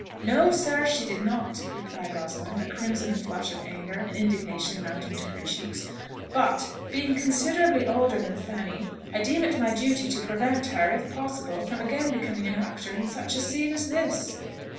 "No, sir, she did not," replied Rosalind, a crimson flush of anger and indignation mounting to her cheeks; "but, being considerably older than Fanny, I deem it my duty to prevent her if possible from again becoming an actor in such a scene as this."